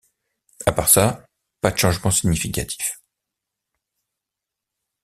À part ça: pas de changements significatifs.